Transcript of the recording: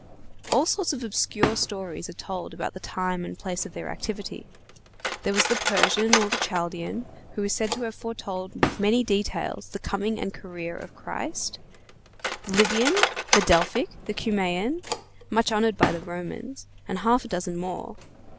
All sorts of obscure stories are told about the time and place of their activity. There was the Persian or Chaldean, who is said to have foretold with many details the coming and career of Christ; the Lybian, the Delphic, the Cumæan, much honored by the Romans, and half a dozen more.